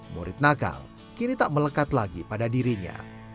murid nakal kini tak melekat lagi pada dirinya